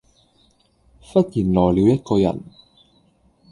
忽然來了一個人；